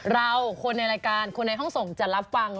เราคนในรายการคนในห้องส่งจะรับฟัง